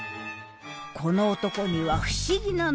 この男には不思議な「能力」が。